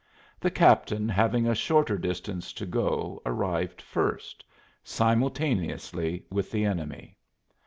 The captain having a shorter distance to go arrived first simultaneously with the enemy.